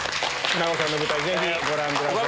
船越さんの舞台ぜひご覧ください。